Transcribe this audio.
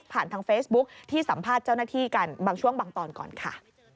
ทางเฟซบุ๊คที่สัมภาษณ์เจ้าหน้าที่กันบางช่วงบางตอนก่อนค่ะ